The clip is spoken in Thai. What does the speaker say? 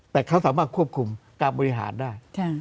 แต่เขาสามารถควบคุมการบริหารได้